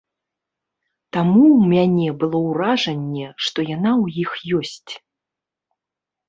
Таму ў мяне было ўражанне, што яна ў іх ёсць.